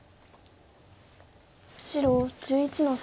白１１の三。